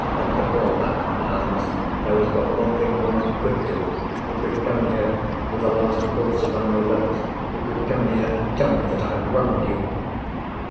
After all that vileness, there was but one thing more you could do. You could come here with a last falsehood on your lips—you could come here, and tell me that I have wronged you!"